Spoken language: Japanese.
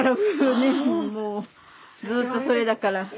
それだから。